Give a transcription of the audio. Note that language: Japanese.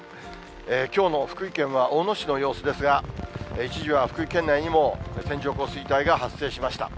きょうの福井県は大野市の様子ですが、一時は福井県内にも線状降水帯が発生しました。